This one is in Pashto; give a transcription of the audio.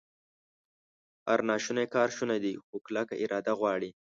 هر ناشونی کار شونی دی، خو کلکه اراده غواړي